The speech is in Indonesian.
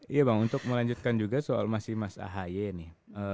iya bang untuk melanjutkan juga soal masih mas ahaye nih